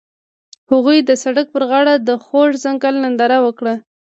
هغوی د سړک پر غاړه د خوږ ځنګل ننداره وکړه.